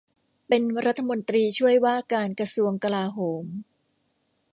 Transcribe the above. เป็นรัฐมนตรีช่วยว่าการกระทรวงกลาโหม